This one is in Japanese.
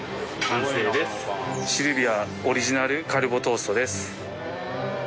支留比亜オリジナルカルボトーストです。